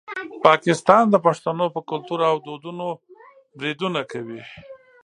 پاکستان د پښتنو په کلتور او دودونو بریدونه کوي.